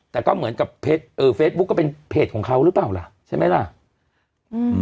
แต่ก็เหมือนกับเพจเออเฟซบุ๊กก็เป็นเพจของเขาหรือเปล่าล่ะใช่ไหมล่ะอืม